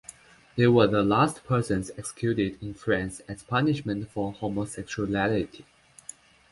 They were the last persons executed in France as punishment for homosexuality.